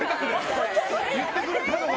言ってくれたんで。